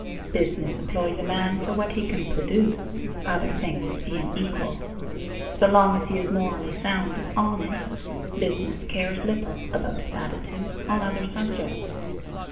Business employs a man for what he can produce, other things being equal. So long as he is morally sound and honest, business cares little about his attitudes on other subjects.